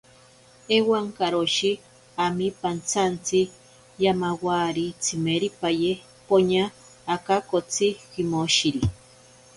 Ewankaroshi ami pantsantsi, yamawari tsimiripaye poña akakotsi kimoshiri.